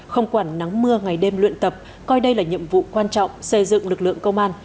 không quản nắng mưa ngày đêm luyện tập coi đây là nhiệm vụ quan trọng xây dựng lực lượng công an